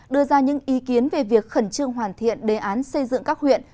đưa ra những ý kiến về việc khẩn trương hoàn thiện đề án xây dựng các huyện